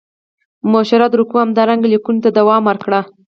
مشوره در کوو همدارنګه لیکنو ته دوام ورکړه.